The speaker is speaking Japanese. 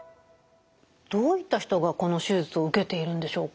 どういった人がこの手術を受けているんでしょうか？